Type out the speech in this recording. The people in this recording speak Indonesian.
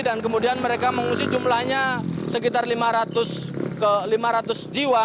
dan kemudian mereka mengungsi jumlahnya sekitar lima ratus jiwa